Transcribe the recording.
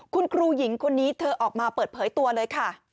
คุณครูหญิงคนนี้เธอออกมาเปิดเผยตัวเลยค่ะ